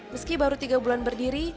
meski baru tiga bulan berdiri